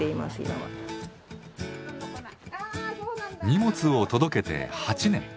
荷物を届けて８年。